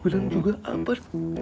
bener juga amat